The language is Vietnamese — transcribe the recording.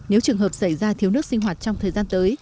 nếu trường hợp xảy ra thiếu nước sinh hoạt trong thời gian tới